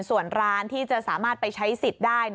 ส่วนร้านที่จะสามารถไปใช้สิทธิ์ได้